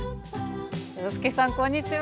洋輔さんこんにちは。